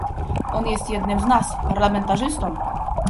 On jest jednym z nas, parlamentarzystą